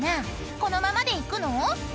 このままでいくの？］